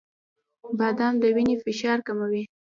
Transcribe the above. • بادام د وینې فشار کموي.